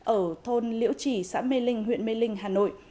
ở thôn liễu trì xã mê linh huyện mê linh hà nội